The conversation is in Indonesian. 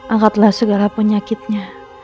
angkatlah segara penyakitnya